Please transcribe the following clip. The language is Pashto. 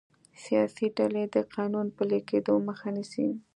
سیاسي ډلې د قانون پلي کیدو مخه نیسي